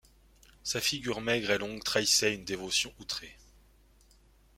Sa figure maigre et longue trahissait une dévotion outrée.